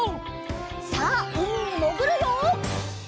さあうみにもぐるよ！